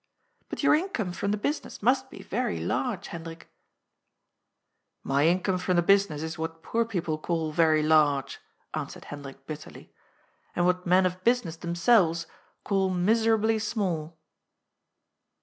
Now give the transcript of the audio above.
But your income from the business must be very large, Hendrik." ^' My income from the business is what poor people call very large," answered Hendrik bitterly, " and what men of business themselyes call miserably small."